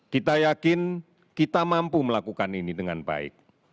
kita yakin kita mampu melakukan ini dengan baik